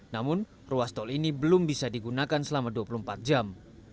namun ruas tol ini belum bisa digunakan selama dua puluh empat jam